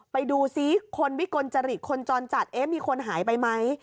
ไปดูซิคนวิกลจริตคนจรจัดเอ๊ะมีคนหายไปไหม